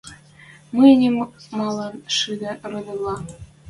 — Мӹньӹм малын шидӓ, родывлӓ!